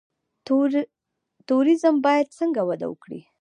توریزم باید څنګه وده وکړي؟